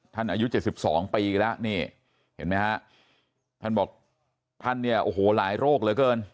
อายุ๗๒ปีแล้วนี่เห็นไหมฮะท่านบอกท่านเนี่ยโอ้โหหลายโรคเหลือเกิน